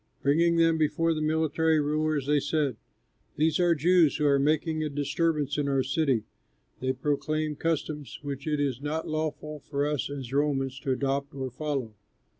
Bringing them before the military rulers, they said, "These are Jews who are making a disturbance in our city; they proclaim customs which it is not lawful for us as Romans to adopt or follow."